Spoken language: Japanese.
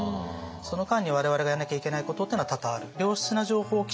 その間に我々がやらなきゃいけないことっていうのは多々ある。